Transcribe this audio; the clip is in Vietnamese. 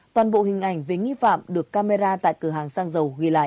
toàn bộ hình ảnh về nghi phạm được camera tại cửa hàng xăng dầu ghi lại